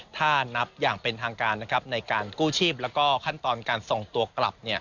ถ้านับอย่างเป็นทางการในการกู้ชีพแล้วก็ขั้นตอนการส่งตัวกลับ